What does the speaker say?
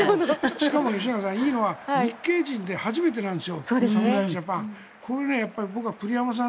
しかも吉永さん、いいのは日系人で初めてなんですよ。